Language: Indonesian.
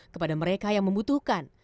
kepada mereka yang membutuhkan